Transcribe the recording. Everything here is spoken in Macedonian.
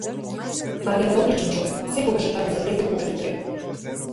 Марјан е одличен човек, секогаш е таму за тебе, кога ти треба.